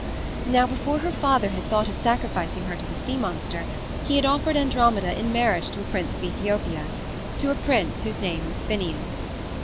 Now before her father had thought of sacrificing her to the sea monster he had offered Andromeda in marriage to a prince of Ethopia to a prince whose name was Phineus.